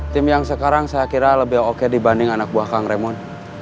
tim yang sekarang saya kira lebih oke dibanding anak buah kang remon